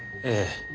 ええ。